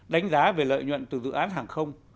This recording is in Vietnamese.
đánh giá về lợi nhuận từ dự án hàng không